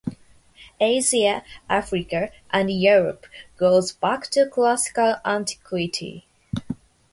Asia, Africa, and Europe, goes back to classical antiquity.